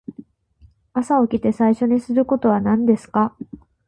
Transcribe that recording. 朝起きて最初にすることは何ですか。